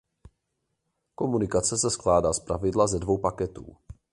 Komunikace se skládá zpravidla ze dvou paketů.